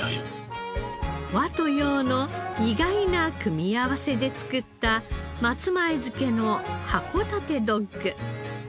和と洋の意外な組み合わせで作った松前漬けの函館ドッグ。